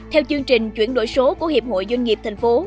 theo chương trình chuyển đổi số của hiệp hội doanh nghiệp thành phố